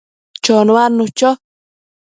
chonuadnu cho